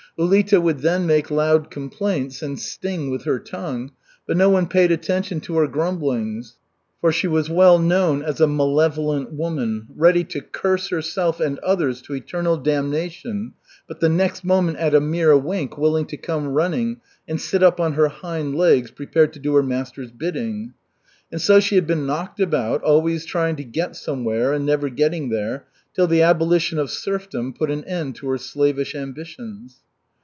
Ulita would then make loud complaints, and sting with her tongue, but no one paid attention to her grumblings, for she was well known as a malevolent woman, ready to curse herself and others to eternal damnation, but the next moment at a mere wink willing to come running and sit up on her hind legs prepared to do her master's bidding. And so she had been knocked about, always trying to get somewhere and never getting there, till the abolition of serfdom put an end to her slavish ambitions.